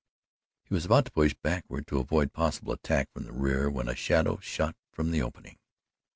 He was about to push backward to avoid possible attack from the rear, when a shadow shot from the opening.